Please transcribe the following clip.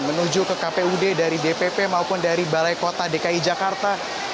menuju ke kpud dari dpp maupun dari balai kota dki jakarta